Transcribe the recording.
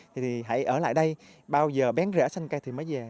thì hãy ở lại đây bao giờ bén rẽ xanh cây thì mới về